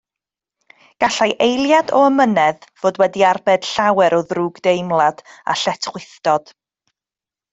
Gallai eiliad o amynedd fod wedi arbed llawer o ddrwgdeimlad a lletchwithdod